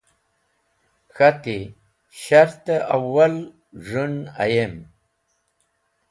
K̃hati, shart-e awwal z̃hũn ayem.